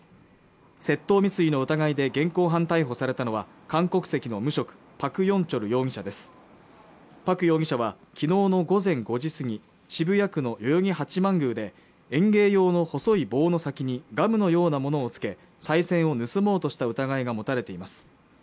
窃盗未遂の疑いで現行犯逮捕されたのは韓国籍の無職パク・ヨンチョル容疑者ですパク容疑者はきのうの午前５時過ぎ渋谷区の代々木八幡宮で園芸用の細い棒の先にガムのようなものを付けさい銭を盗もうとした疑いが持たれています